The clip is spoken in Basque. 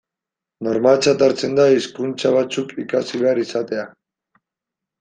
Normaltzat hartzen da hizkuntza batzuk ikasi behar izatea.